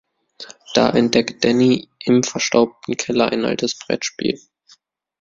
Da entdeckt Danny im verstaubten Keller ein altes Brettspiel.